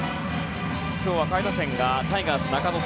今日は、下位打線がタイガースの中野